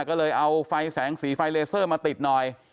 ก็เลยเอาไฟแสงสีไฟเลเซอร์มาติดหน่อย